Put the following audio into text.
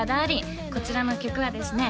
こちらの曲はですね